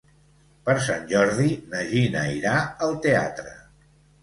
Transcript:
Per Sant Jordi na Gina irà al teatre.